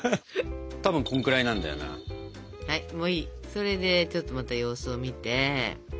それでちょっとまた様子を見て。